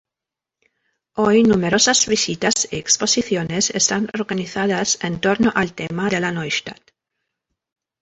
Hoy, numerosas visitas y exposiciones están organizadas entorno al tema de la Neustadt.